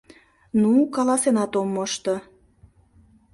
Ну, каласенат ом мошто...